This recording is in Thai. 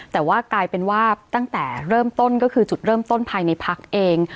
แต่ว่ากลายเป็นว่าตั้งแต่เริ่มต้นก็คือจุดเริ่มต้นภายในพักเอง